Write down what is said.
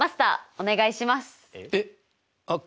お願いします。